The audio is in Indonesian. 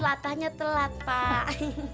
latahnya telat pak